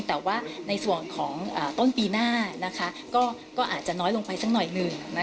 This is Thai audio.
แต่ว่าในส่วนของต้นปีหน้าก็อาจจะน้อยลงไปสักหน่อยหนึ่ง